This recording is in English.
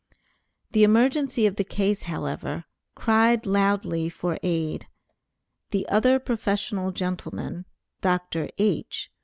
The emergency of the case, however, cried loudly for aid. The other professional gentleman (Dr. H.)